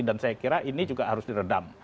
dan saya kira ini juga harus diredam